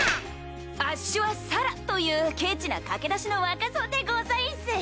あっしはサラというけちな駆け出しの若造でございんす。